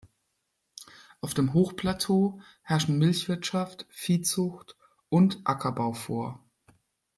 Auf dem Hochplateau herrschen Milchwirtschaft, Viehzucht und Ackerbau vor.